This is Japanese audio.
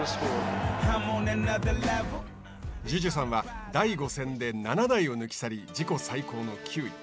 樹潤さんは第５戦で７台を抜き去り自己最高の９位。